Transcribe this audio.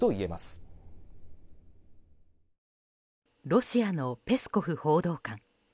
ロシアのペスコフ報道官。